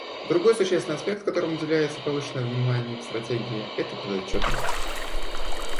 Другой существенный аспект, которому уделяется повышенное внимание в Стратегии, — это подотчетность.